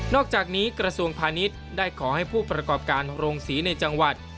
อกจากนี้กระทรวงพาณิชย์ได้ขอให้ผู้ประกอบการโรงศรีในจังหวัด